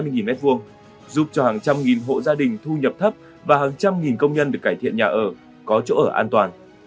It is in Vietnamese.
hai mươi hai bảy trăm hai mươi m hai giúp cho hàng trăm nghìn hộ gia đình thu nhập thấp và hàng trăm nghìn công nhân được cải thiện nhà ở có chỗ ở an toàn